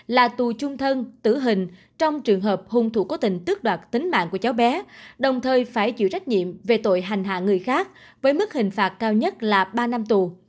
là tù chung thân tử hình trong trường hợp hung thủ cố tình tước đoạt tính mạng của cháu bé đồng thời phải chịu trách nhiệm về tội hành hạ người khác với mức hình phạt cao nhất là ba năm tù